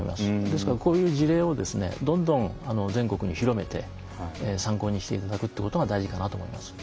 ですからこういう事例をどんどん全国に広めて参考にしていただくということが大事かなと思います。